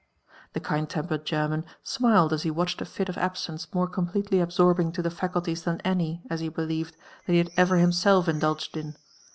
The kind tempered German smiled as he watched a fit of absence moro completely absorbing to ihe facullies than any, as he believed, thai he had ever hipiself indulged in.